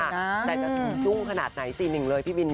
แต่จะจุ่งขนาดไหนสินหนึ่งเลยพี่บิน